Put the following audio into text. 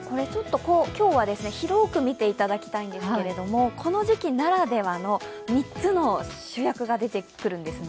今日は広く見ていただきたいんですけれどもこの時期ならではの３つの主役が出てくるんですね。